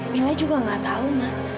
mila juga gak tahu ma